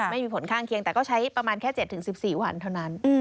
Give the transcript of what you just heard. ไม่มีผลข้างเคียงแต่ก็ใช้ประมาณแค่๗๑๔วันเท่านั้น